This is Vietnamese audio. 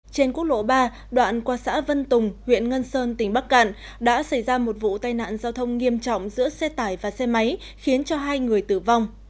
trên quốc lộ ba đoạn qua xã vân tùng huyện ngân sơn tỉnh bắc cạn đã xảy ra một vụ tai nạn giao thông nghiêm trọng giữa xe tải và xe máy khiến cho hai người tử vong